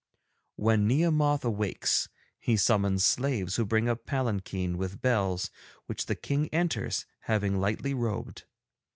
'When Nehemoth awakes he summons slaves who bring a palanquin with bells, which the King enters, having lightly robed.